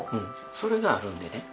それがあるんでね。